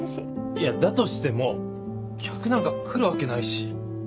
いやだとしても客なんか来るわけないし。